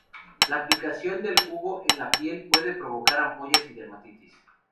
La aplicación del jugo en la piel puede provocar ampollas y dermatitis.